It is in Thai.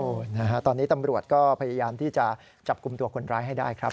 โอ้โหนะฮะตอนนี้ตำรวจก็พยายามที่จะจับกลุ่มตัวคนร้ายให้ได้ครับ